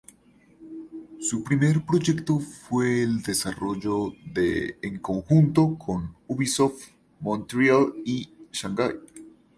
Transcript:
Su primer proyecto fue el desarrollo de en conjunto con Ubisoft Montreal y Shanghai.